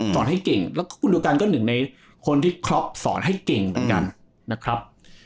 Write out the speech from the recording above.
สอนให้เก่งแล้วก็คุณดูกันก็หนึ่งในคนที่ครอบสอนให้เก่งเหมือนกันนะครับ